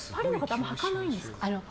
あんまり履かないんですか？